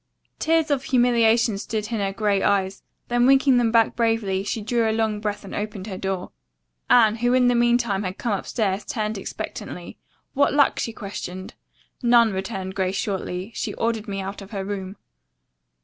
Tears of humiliation stood in her gray eyes, then winking them back bravely, she drew a long breath and opened her door. Anne, who in the meantime had come upstairs, turned expectantly. "What luck?" she questioned. "None," returned Grace shortly. "She ordered me out of her room."